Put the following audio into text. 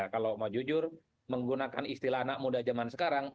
kalau mau jujur menggunakan istilah anak muda zaman sekarang